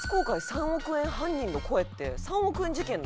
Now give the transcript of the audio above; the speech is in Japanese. ３億円犯人の声」って３億円事件の？